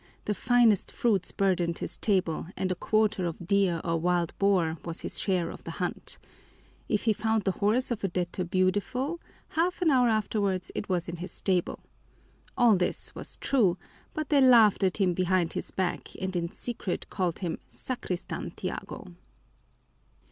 The finest fruits burdened his table and a quarter of deer or wild boar was his share of the hunt. If he found the horse of a debtor beautiful, half an hour afterwards it was in his stable. All this was true, but they laughed at him behind his back and in secret called him "Sacristan Tiago."